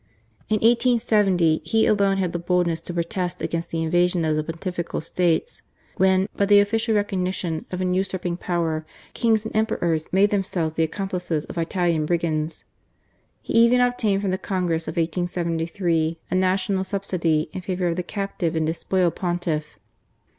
In 1870, he alone had the boldness to protest against the invasion of the Pontifical States, when, by the official recognition of an usurping power, kings and emperors made themselves the PREFACE. ix accomplices of Italian brigands. He even obtained from the Congress of 1873 a national subsidy in favour of the captive and despoiled Pontiff.